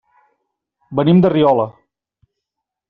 Venim de Riola.